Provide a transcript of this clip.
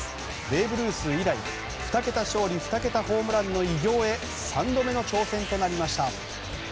ベーブ・ルース以来２桁勝利２桁ホームランの偉業へ３度目の挑戦となりました。